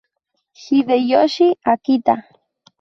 Hideyoshi Akita